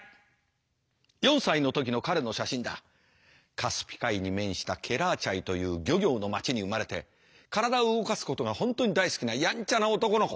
カスピ海に面したケラーチャイという漁業の町に生まれて体を動かすことが本当に大好きなやんちゃな男の子。